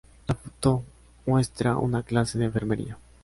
La foto muestra una clase de enfermería.